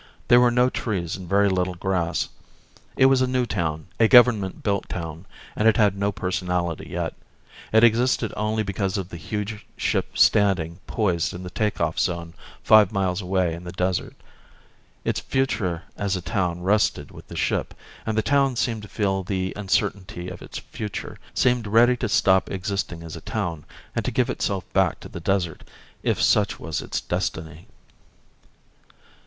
There were no trees and very little grass. It was a new town, a government built town, and it had no personality yet. It existed only because of the huge ship standing poised in the take off zone five miles away in the desert. Its future as a town rested with the ship, and the town seemed to feel the uncertainty of its future, seemed ready to stop existing as a town and to give itself back to the desert, if such was its destiny.